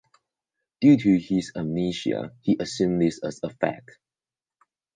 Due to his amnesia, he assumes this as a fact.